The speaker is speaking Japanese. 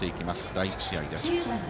第１試合です。